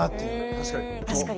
確かに。